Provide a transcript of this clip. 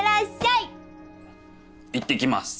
いってきます。